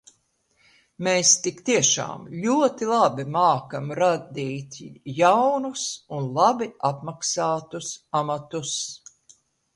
Mēs tik tiešām ļoti labi mākam radīt jaunus un labi apmaksātus amatus.